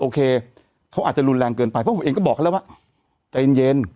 โอเคเขาอาจจะรุนแรงเกินไปเพราะผมเองก็บอกเขาแล้วว่าใจเย็น